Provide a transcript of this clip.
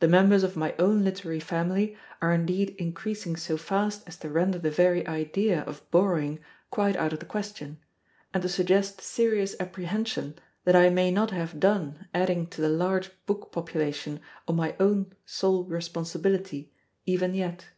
The members of my own literary family are indeed increasing so fast as to render the very idea of borrowing quite out of the question, and to suggest serious apprehension that I may not have done adding to the large book population, on my own sole responsibility, even yet.